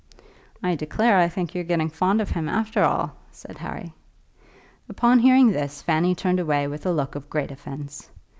"I declare I think you're getting fond of him after all," said Harry. Upon hearing this Fanny turned away with a look of great offence.